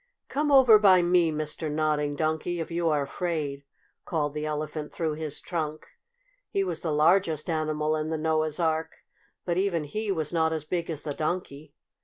"Come over by me, Mr. Nodding Donkey, if you are afraid!" called the Elephant through his trunk. He was the largest animal in the Noah's Ark, but even he was not as big as the Donkey.